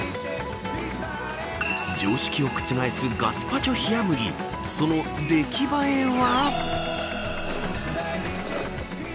常識を覆すガスパチョ冷麦その出来栄えは。